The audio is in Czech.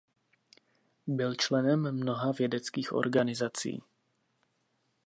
Byl členem mnoha vědeckých organizací.